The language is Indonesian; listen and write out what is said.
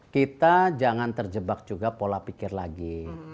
kita jangan terjebak juga pola pikir lagi